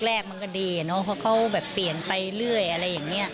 แรกมันก็ดีอะเนาะเพราะเขาแบบเปลี่ยนไปเรื่อยอะไรอย่างนี้